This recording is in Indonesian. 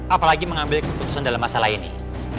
apalagi mengambil keputusan dalam masalah ini